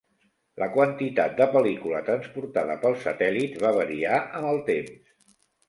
La quantitat de pel·lícula transportada pels satèl·lits va variar amb el temps.